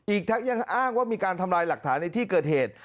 อีกทั้งยังอ้างว่ามีการทำลายหลักฐานในที่เกิดเหตุ